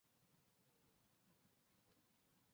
御嵩町为岐阜县可儿郡的町。